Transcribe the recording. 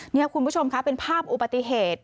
นี่ครับคุณผู้ชมครับเป็นภาพอุปติเหตุ